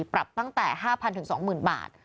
ปรับตั้งแต่๕๐๐๒๐๐๐บาท